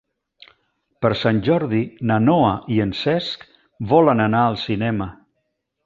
Per Sant Jordi na Noa i en Cesc volen anar al cinema.